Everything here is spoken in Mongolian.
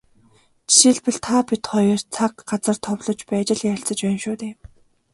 Жишээлбэл, та бид хоёр цаг, газар товлож байж л ярилцаж байна шүү дээ.